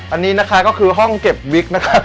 อันนี้นะคะก็คือห้องเก็บวิกนะคะ